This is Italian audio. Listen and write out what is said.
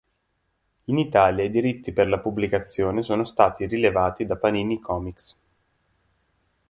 In Italia i diritti per la pubblicazione sono stati rilevati da Panini Comics.